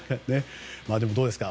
でも、どうですか？